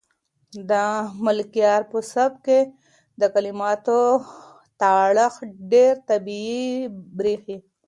د ملکیار په سبک کې د کلماتو تړښت ډېر طبیعي برېښي.